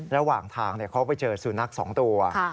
ระหว่างทางเขาไปเจอสุนัข๒ตัว